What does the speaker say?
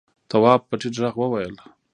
تواب په ټيټ غږ وويل: